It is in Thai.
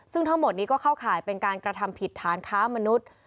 ซึ่งทั้งหมดนี้ก็เข้าข่ายเป็นการกระทำผิดฐานค้ามนุษย์